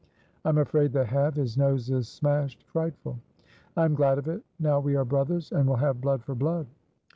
"I am afraid they have; his nose is smashed frightful." "I am glad of it; now we are brothers and will have blood for blood."